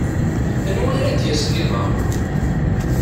Anwa ara d-yasen iḍ-a?